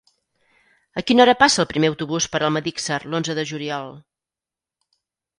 A quina hora passa el primer autobús per Almedíxer l'onze de juliol?